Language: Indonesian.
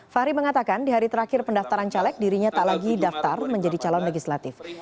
fahri mengatakan di hari terakhir pendaftaran caleg dirinya tak lagi daftar menjadi calon legislatif